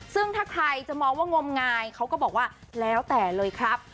ซึ่งถ้าใครจะมองว่างมงายเขาก็บอกว่าแล้วแต่เลยครับ